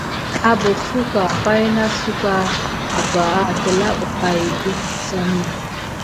Abok suka pay nasaku ɓebawa telà bebaki dena desane.